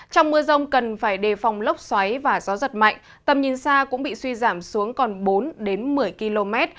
trong mưa rông cần phải đề phòng lốc xoáy và gió giật mạnh tầm nhìn xa cũng bị suy giảm xuống còn bốn một mươi km